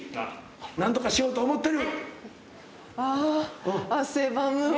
何とかしようと思ってる。